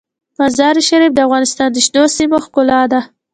مزارشریف د افغانستان د شنو سیمو ښکلا ده.